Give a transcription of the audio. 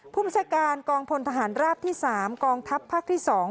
ภูมิศักดิ์การกองพลทหารราบที่สามกองทัพภาคที่สอง